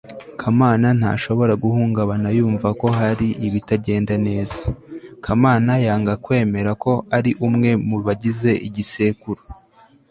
kamana ntashobora guhungabana yumva ko hari ibitagenda neza.kamana yanga kwemera ko ari umwe mu bagize igisekuru